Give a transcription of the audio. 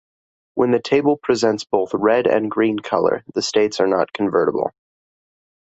When the table presents both red and green color, the states are not convertible.